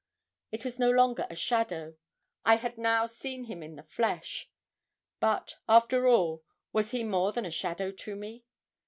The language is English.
It was no longer a shadow; I had now seen him in the flesh. But, after all, was he more than a shadow to me?